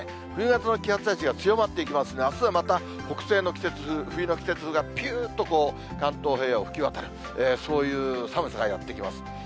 冬型の気圧配置が強まっていきますんで、あすはまた北西の季節風、冬の季節風がぴゅーとこう、関東平野を吹き渡る、そういう寒さがやって来ます。